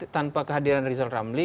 tanpa kehadiran rizal ramli